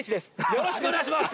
よろしくお願いします。